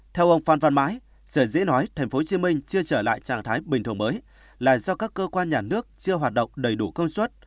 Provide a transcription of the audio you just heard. theo ông phan văn mãi sở dĩ nói tp hcm chưa trở lại trạng thái bình thường mới là do các cơ quan nhà nước chưa hoạt động đầy đủ công suất